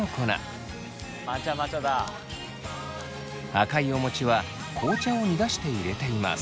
赤いお餅は紅茶を煮出して入れています。